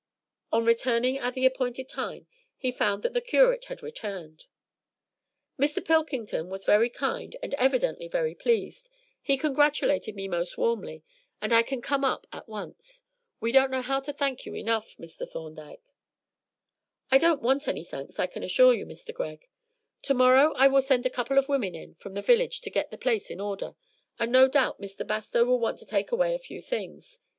On returning at the appointed time he found that the curate had returned. "Mr. Pilkington was very kind, and evidently very pleased; he congratulated me most warmly, and I can come up at once. We don't know how to thank you enough, Mr. Thorndyke." "I don't want any thanks, I can assure you, Mr. Greg. Tomorrow I will send a couple of women in from the village to get the place in order, and no doubt Mr. Bastow will want to take away a few things.